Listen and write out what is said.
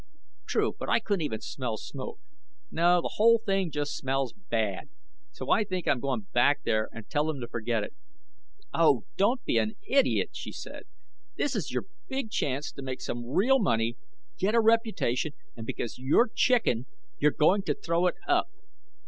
"True. But I couldn't even smell smoke. No, the whole thing just smells bad. So I think I'm going back there and tell them to forget it." "Oh, don't be an idiot," she said. "This is your big chance to make some real money, get a reputation, and because you're chicken, you're going to throw it up."